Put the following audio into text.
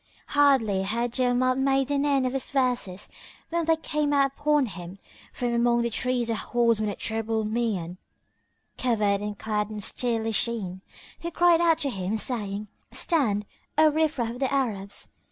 [FN#14] Hardly had Jawamard made an end of his verses when there came out upon him from among the trees a horseman of terrible mien covered and clad in steely sheen, who cried out to him, saying, "Stand, O riff raff of the Arabs!